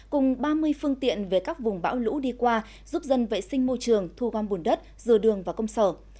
cùng ba mươi phương tiện về các vùng bão lũ đi qua giúp dân vệ sinh môi trường thu gom bùn đất dừa đường và công sở